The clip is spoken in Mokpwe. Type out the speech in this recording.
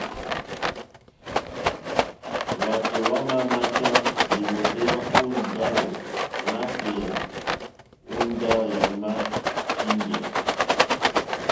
Hwátò hwámà máchá lìwòtéyá ó mbówà nǎtɛ̀ɛ̀ ó ndáwò yàmá kíŋgɛ̀.